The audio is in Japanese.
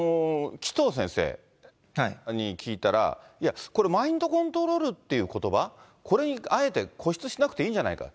紀藤先生に聞いたら、いや、これ、マインドコントロールということば、これにあえて固執しなくていいんじゃないか。